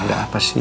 ada apa sih